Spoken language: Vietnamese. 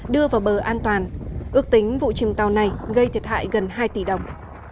đưa vào bờ an toàn ước tính vụ chìm tàu này gây thiệt hại gần hai tỷ đồng